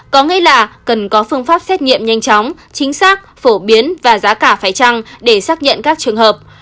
có nghĩa là cần có phương pháp xét nghiệm nhanh chóng chính xác phổ biến và giá cả phải trăng để xác nhận các trường hợp